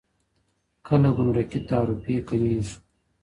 کله ګمرکي تعرفې کمیږي؟